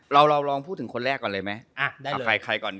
เราลองพูดถึงคนแรกก่อนเลยไหม